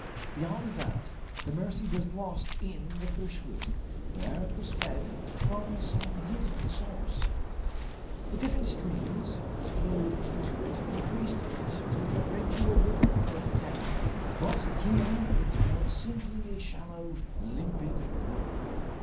Beyond that, the Mercy was lost in the bushwood, where it was fed from some hidden source. The different streams which flowed into it increased it to a regular river further down, but here it was simply a shallow, limpid brook.